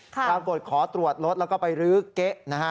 ถ้ากดขอตรวจรถแล้วก็ไปรื้อเก๊